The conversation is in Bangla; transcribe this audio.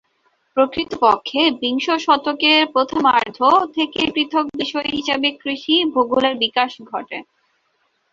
প্রকৃতপক্ষে, বিংশ শতকের প্রথমার্ধ থেকেই পৃথক বিষয় হিসেবে কৃষি ভূগোলের বিকাশ ঘটে।